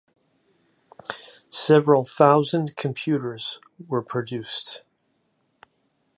Several thousand computers were produced.